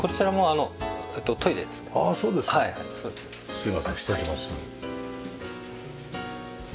すいません失礼します。